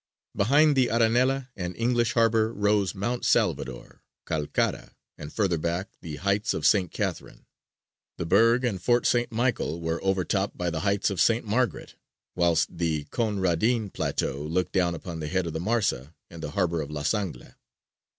Behind the Arenela and English Harbour rose Mount Salvador, Calcara, and further back the Heights of St. Catherine. The Burg and Fort St. Michael were overtopped by the Heights of St. Margaret, whilst the Conradin plateau looked down upon the head of the Marsa and the Harbour of La Sangle.